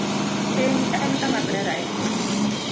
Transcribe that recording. Piny en kama ber ahinya.